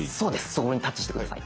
そこにタッチして下さい。